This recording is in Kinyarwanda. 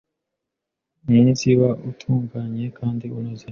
umunsiba utunganye kandi unoze: